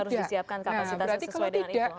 harus disiapkan kapasitasnya sesuai dengan itu